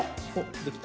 できた。